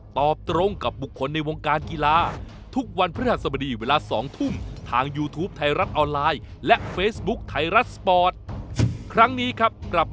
ผมบอกอย่างนี้โค้ชทำงานลำบากนะ